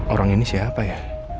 orang ini siapa ya